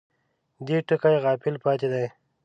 دې ټکي غافل پاتې دي.